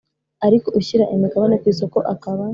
Ariko ushyira imigabane ku isoko akaba